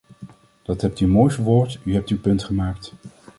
Dat hebt u mooi verwoord, u hebt uw punt gemaakt.